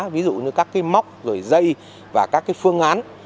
ví dụ như các cái móc rồi dây và các cái phương án